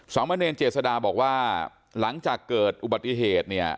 มะเนรเจษดาบอกว่าหลังจากเกิดอุบัติเหตุเนี่ย